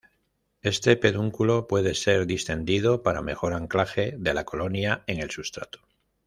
Este pedúnculo puede ser distendido para mejor anclaje de la colonia en el sustrato.